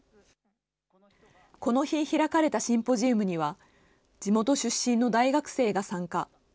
この日、開かれたシンポジウムには、地元出身の大学生が参加。